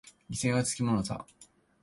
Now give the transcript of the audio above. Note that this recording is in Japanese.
犠牲はつきものさ。